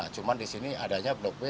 cuma di sini adanya blok b